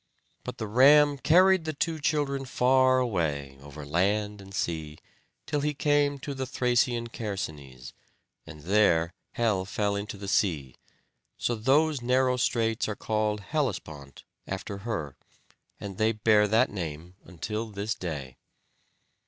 But the ram carried the two children far away over land and sea, till he came to the Thracian Chersonese, and there Helle fell into the sea. So those narrow straits are called "Hellespont," after her; and they bear that name until this day.